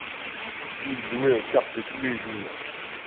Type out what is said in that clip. ils jouaient aux cartes tous les jours.